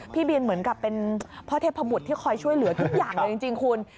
พี่บินเหมือนกับเป็นพ่อเทพบุตรที่คอยช่วยเหลือทุกอย่างเลยจริงคุณ